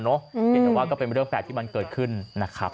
แต่ว่าก็เป็นเรื่องแปลกที่มันเกิดขึ้นนะครับ